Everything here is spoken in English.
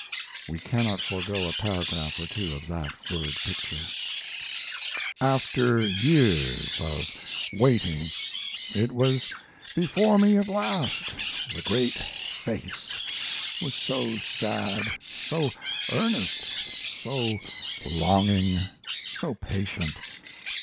We cannot forego a paragraph or two of that word picture: After years of waiting it was before me at last. The great face was so sad, so earnest, so longing, so patient.